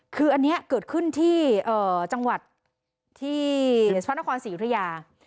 คืออันเนี้ยเกิดขึ้นที่เอ่อจังหวัดที่พระนครสิริยา